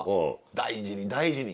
大事に大事に。